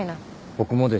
僕もです。